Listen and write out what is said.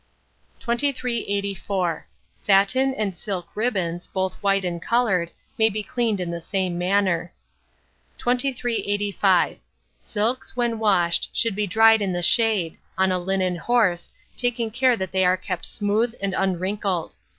2384. Satin and silk ribbons, both white and coloured, may be cleaned in the same manner. 2385. Silks, when washed, should be dried in the shade, on a linen horse, taking care that they are kept smooth and unwrinkled.